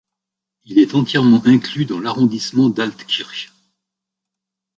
Il est entièrement inclus dans l'arrondissement d'Altkirch.